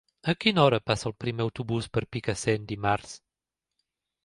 A quina hora passa el primer autobús per Picassent dimarts?